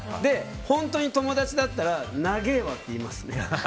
本当に友達だったら長えわって言いますね。